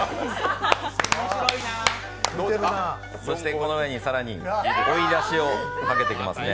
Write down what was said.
この上に更に追いだしをかけていきます。